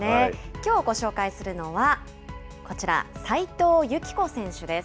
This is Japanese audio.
きょうご紹介するのはこちら、齋藤由希子選手です。